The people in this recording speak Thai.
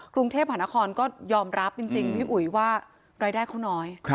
กรุงเทพหานครก็ยอมรับจริงพี่อุ๋ยว่ารายได้เขาน้อย